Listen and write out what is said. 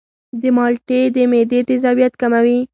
مالټې د معدې تیزابیت کموي.